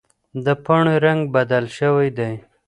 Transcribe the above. د پاڼې رنګ بدل شوی دی.